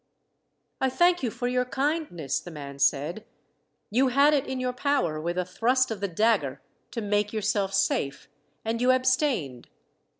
"I thank you for your kindness," the man said. "You had it in your power, with a thrust of the dagger, to make yourself safe, and you abstained.